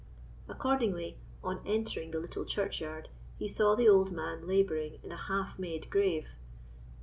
Accordingly, on entering the little churchyard, he saw the old man labouring in a half made grave.